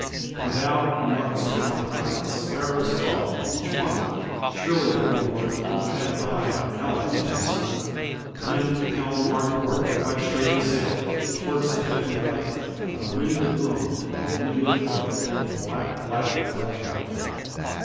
"For Thou, who markest from on high A sparrow's fall each one! Surely, O Lord, thou'lt have an eye On Alec Yeaton's son!" Then, helm hard port; right straight he sailed Towards the headland light: The wind it moaned, the wind it wailed, And black, black fell the night.